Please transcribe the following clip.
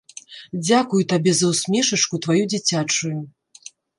Дзякую табе за ўсмешачку тваю дзіцячую.